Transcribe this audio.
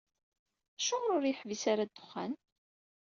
Acuɣer ur yeḥbis ara ddexxan?